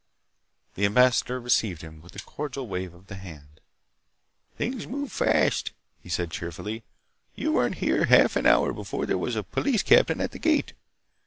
The ambassador received him with a cordial wave of the hand. "Things move fast," he said cheerfully. "You weren't here half an hour before there was a police captain at the gate.